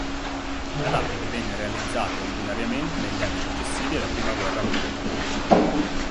La lapide venne realizzata originariamente negli anni successivi alla prima guerra mondiale.